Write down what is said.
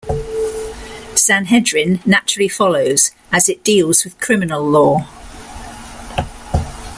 Sanhedrin naturally follows, as it deals with criminal law.